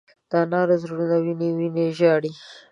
د انارو زړونه وینې، وینې ژاړې